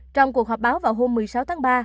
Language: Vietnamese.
trong cuộc họp báo vào hôm một mươi sáu tháng ba